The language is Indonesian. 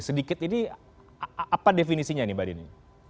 sedikit ini apa definisinya nih mbak dini